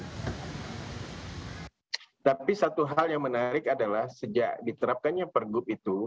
tapi satu hal yang menarik adalah sejak diterapkannya pergub itu